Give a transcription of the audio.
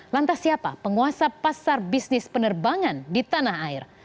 lantas siapa penguasa pasar bisnis penerbangan di tanah air